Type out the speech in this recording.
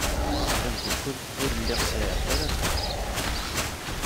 Amdakel ur lliɣ sεiɣ-t ala Tom.